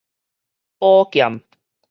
寶劍